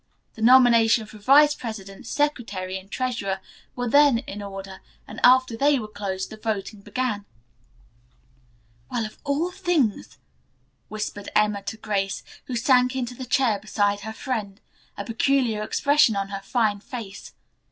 The nomination for vice president, secretary and treasurer were then in order and after they were closed the voting began. "Well, of all things," whispered Emma to Grace, who sank into the chair beside her friend, a peculiar expression on her fine face.